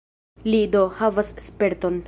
Li, do, havas sperton.